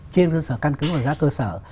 trên cơ sở căn cứ và giá cơ sở